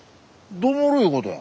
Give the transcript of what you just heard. どもるいうことや。